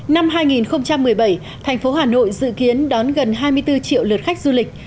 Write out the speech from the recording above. năm hai nghìn một mươi bảy thành phố hà nội dự kiến đón gần hai mươi bốn triệu lượt khách du lịch